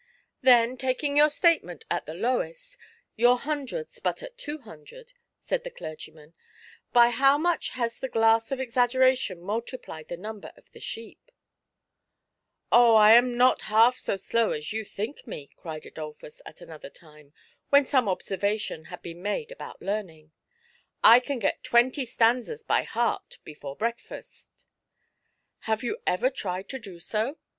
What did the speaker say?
" Then, taking your statement at the lowest^ your hundreds but at two hundred," said the dei^gyman, " by how much has the glass of exaggeration multiplied the number of the sheep ?"" Oh, Tm not half so slow as you think me!" cried Adolphus at another time, when some observation had been made about learning ;" I can get twenty stanzas by heart before breakfast !'Have you ever tried to do so